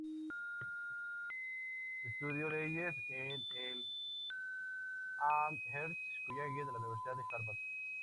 Estudió leyes en el "Amherst College" de la Universidad Harvard.